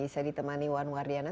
saya ditemani wan wardiana